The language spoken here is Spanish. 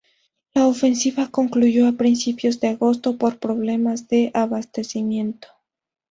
La ofensiva concluyó a principios de agosto por problemas de abastecimiento.